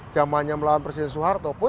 zamannya melawan presiden soeharto pun